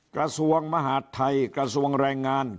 กระทรวงมหาดไทยกระทรวงแรงงาน